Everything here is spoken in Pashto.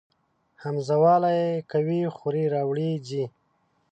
همزه واله ئ کوئ خورئ راوړئ ځئ